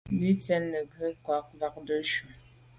Bín tsín nə̀ ngə́ kwâ’ mbâdə́ cú.